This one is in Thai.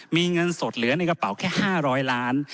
มีเงินสดเหลือในกระเป๋าแค่๕๐๐ล้าน